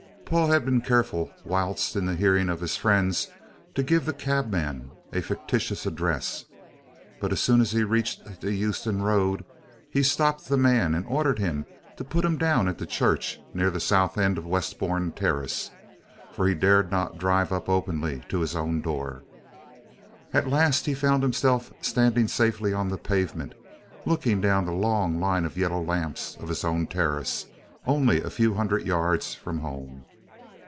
Paul had been careful, whilst in the hearing of his friends, to give the cabman a fictitious address, but as soon as he reached the Euston Road, he stopped the man and ordered him to put him down at the church near the south end of Westbourne Terrace, for he dared not drive up openly to his own door. At last he found himself standing safely on the pavement, looking down the long line of yellow lamps of his own terrace, only a few hundred yards from home.